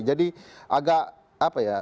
jadi agak apa ya